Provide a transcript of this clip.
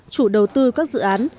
chủ đầu tư các dự án